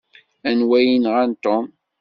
Anwa ay yenɣan Tom?